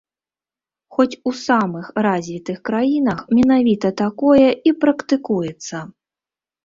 Хоць у самых развітых краінах менавіта такое і практыкуецца.